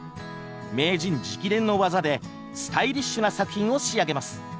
名人直伝の技でスタイリッシュな作品を仕上げます。